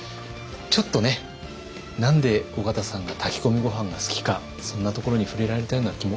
ちょっとね何で緒方さんが炊き込みご飯が好きかそんなところに触れられたような気もいたします。